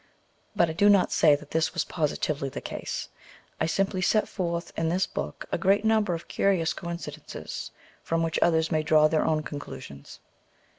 But I do not say that this was positively the case ; I simply set forth in this book a great number of curious coincidences, from which others may draw their own conclusions.